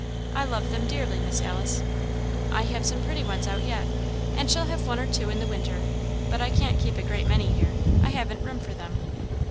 "I love them dearly, Miss Alice." "I have some pretty ones out yet, and shall have one or two in the winter; but I can't keep a great many here; I haven't room for them.